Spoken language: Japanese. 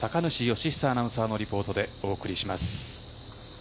義久アナウンサーのリポートでお送りします。